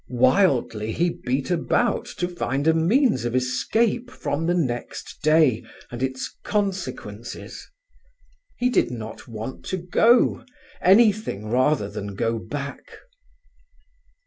Wildly he beat about to find a means of escape from the next day and its consequences. He did not want to go. Anything rather than go back.